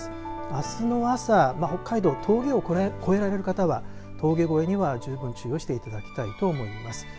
あすの朝北海道、峠を越えられる方は峠越えには十分注意をしていただきたいと思います。